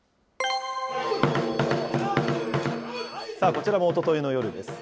こちらもおとといの夜です。